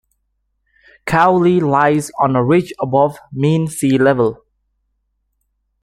Cowley lies on a ridge above mean sea level.